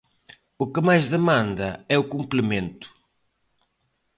O que máis demanda é o complemento.